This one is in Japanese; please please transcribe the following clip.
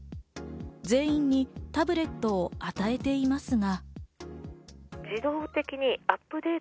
全員にタブレットを与えていますが。